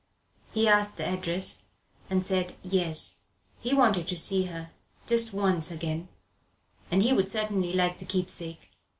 He asked the address, and said "Yes." He wanted to see her just once again, and he would certainly like the keepsake.